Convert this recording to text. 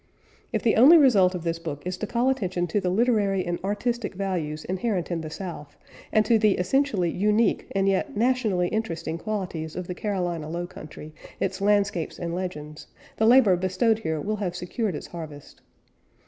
If the only result of this book is to call attention to the literary and artistic values inherent in the South, and to the essentially unique and yet nationally interesting qualities of the Carolina Low Country, its landscapes and legends, the labor bestowed here will have secured its harvest.